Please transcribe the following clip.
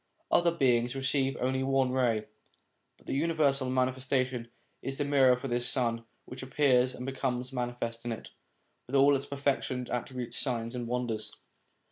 Other beings receive only one ray, but the universal Manifestation is the mirror for this Sun, which appears and becomes manifest in it, with all its perfections, attributes, signs, and wonders.